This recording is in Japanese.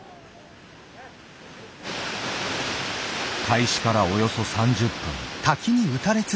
開始からおよそ３０分。